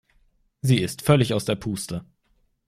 Sie ist völlig aus der Puste.